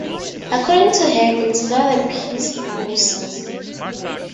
According to her, It's not a peace process.